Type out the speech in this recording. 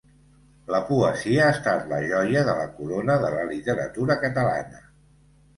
La poesia ha estat la joia de la corona de la literatura catalana.